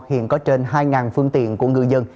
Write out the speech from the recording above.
hiện có trên hai phương tiện của người dân